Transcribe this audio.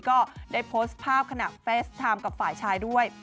ก็ได้โพสต์ภาพขณะเฟสไทม์กับฝ่ายชายด้วย